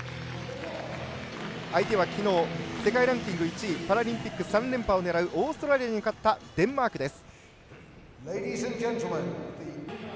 相手はきのう世界ランキング１位パラリンピック３連覇を狙うオーストラリアに勝ったデンマークです。